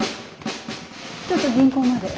ちょっと銀行まで。